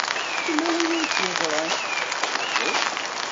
Yella win ay k-yeẓran? Uhu.